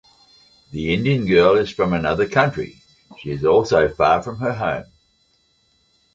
The Indian girl is from another country. She is also far from her home.